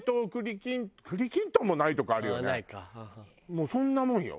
もうそんなもんよ。